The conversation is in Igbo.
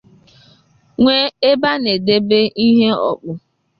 nwee ebe a na-edebe ihe ọkpụ